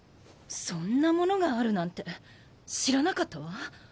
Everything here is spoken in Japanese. そんなものがあるなんて知らなかったわ。